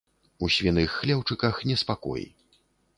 У свіных хлеўчыках неспакой.